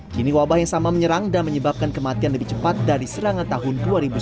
kini wabah yang sama menyerang dan menyebabkan kematian lebih cepat dari serangan tahun dua ribu sembilan belas